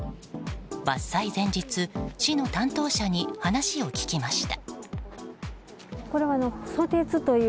伐採前日市の担当者に話を聞きました。